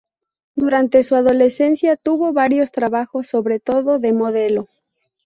Durante su adolescencia tuvo varios trabajos, sobre todo de modelo.